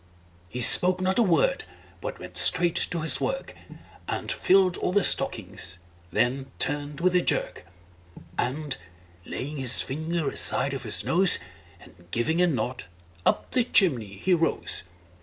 He spoke not a word, but went straight to his work, And filled all the stockings; then turned with a jerk, And laying his finger aside of his nose, And giving a nod, up the chimney he rose.